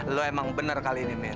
lu emang bener kali ini mir